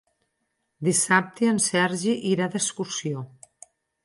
Dissabte en Sergi irà d'excursió.